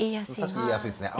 確かに言いやすいですね。